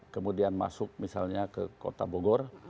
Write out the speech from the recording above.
kemudian masuk misalnya ke kota bogor